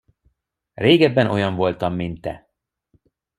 Régebben olyan voltam, mint te.